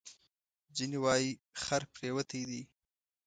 ځینې وایي خر پرېوتی دی.